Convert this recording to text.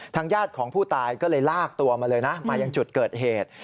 ญาติของผู้ตายก็เลยลากตัวมาเลยนะมายังจุดเกิดเหตุ